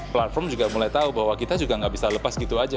platform juga mulai tahu bahwa kita juga nggak bisa lepas gitu aja